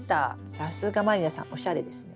さすが満里奈さんおしゃれですね。